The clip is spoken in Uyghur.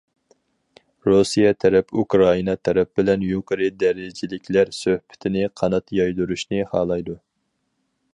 رۇسىيە تەرەپ ئۇكرائىنا تەرەپ بىلەن يۇقىرى دەرىجىلىكلەر سۆھبىتىنى قانات يايدۇرۇشنى خالايدۇ.